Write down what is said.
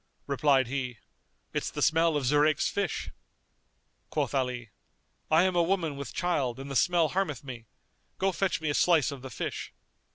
Replied he, "It's the smell of Zurayk's fish." Quoth Ali, "I am a woman with child and the smell harmeth me; go, fetch me a slice of the fish."